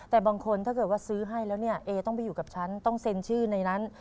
แต่บางคนถ้าเกิดว่าซื้อให้แล้วเนี่ยเอต้องไปอยู่กับฉันต้องเซ็นชื่อในนั้น